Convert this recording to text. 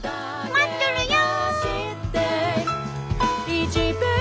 待っとるよ！